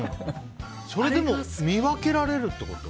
それ、でも見分けられるってこと？